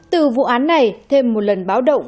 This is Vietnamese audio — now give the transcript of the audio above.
từ vụ án này thêm một lần báo động